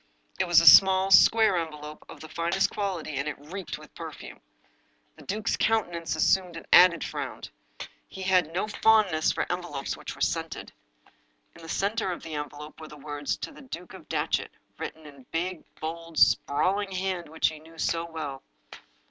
It was a small, square envelope, of the finest qual ity, and it reeked with perfume. The duke's countenance assumed an added frown — ^he had no fondness for en 279 English Mystery Stories velopes which were scented. In the center of the envelope were the words, " To the Duke of Datchet," written in the big, bold, sprawling hand which he knew so well.